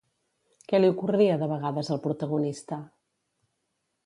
Què li ocorria de vegades al protagonista?